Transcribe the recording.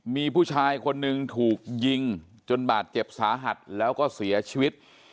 มีผู้ชายคนหนึ่งถูกยิงจนบาดเจ็บสาหัสแล้วก็เสียชีวิต